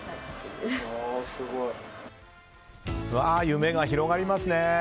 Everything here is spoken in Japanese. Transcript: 夢が広がりますね。